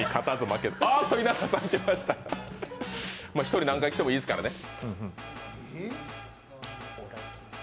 １人、何回来てもいいですからね。